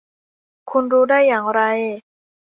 คุณรู้ได้อย่างไร ?